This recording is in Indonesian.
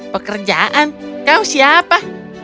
pekerjaan kau siapa